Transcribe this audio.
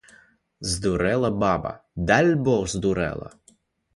Здурэла баба, дальбог, здурэла.